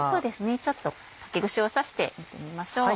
ちょっと竹串を刺して見てみましょう。